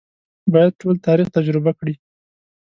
باید ټول تاریخ تجربه کړي.